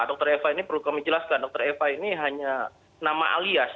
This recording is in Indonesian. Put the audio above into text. dr eva ini perlu kami jelaskan dr eva ini hanya nama alias